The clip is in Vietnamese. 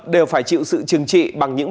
đều phải chịu sự chừng trị bằng những